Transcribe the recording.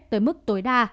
tới mức tối đa